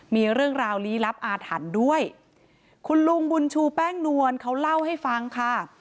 มีเรื่องราวลี้ลับอาถรรพ์ด้วยคุณลุงบุญชูแป้งนวลเขาเล่าให้ฟังค่ะ